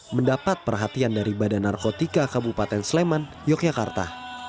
mendapat perhatian dari badan narkotika kabupaten sleman yogyakarta